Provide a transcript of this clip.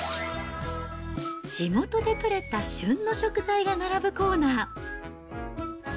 地元で取れた旬の食材が並ぶコーナー。